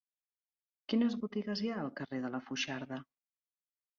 Quines botigues hi ha al carrer de la Foixarda?